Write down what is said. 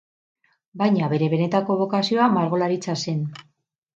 Baina bere benetako bokazioa margolaritza zen.